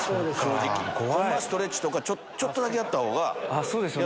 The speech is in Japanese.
ホンマはストレッチとかちょっとだけやっといたほうが。